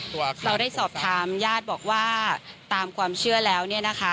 เราได้สอบถามญาติบอกว่าตามความเชื่อแล้วเนี่ยนะคะ